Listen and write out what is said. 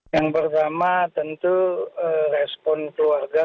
yang pertama tentu respon keluarga